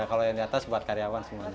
kalau yang di atas buat karyawan semuanya